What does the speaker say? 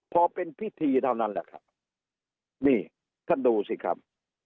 พอเป็นพิธีเท่านั้นแหละครับนี่ท่านดูสิครับ